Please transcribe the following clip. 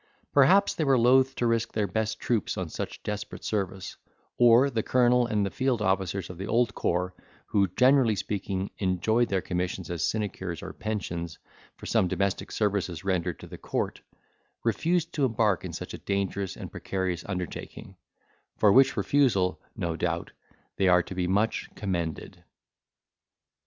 Perhaps they were loth to risk their best troops on such desperate service, or the colonel and the field officers of the old corps, who, generally speaking, enjoyed their commissions as sinecures or pensions, for some domestic services rendered to the court, refused to embark in such a dangerous and precarious undertaking; for which refusal, no doubt, they are to be much commended.